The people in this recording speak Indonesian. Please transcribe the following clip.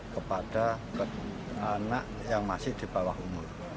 kepada anak yang masih di bawah umur